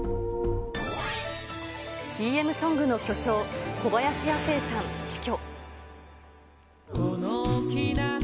ＣＭソングの巨匠、小林亜星さん死去。